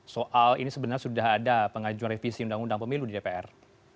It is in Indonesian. soal ini sebenarnya sudah ada pengajuan revisi undang undang pemilu di dpr